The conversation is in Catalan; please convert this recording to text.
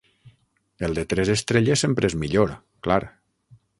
El de tres estrelles sempre és millor, clar.